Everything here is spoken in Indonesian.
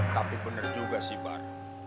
tapi bener juga sih bar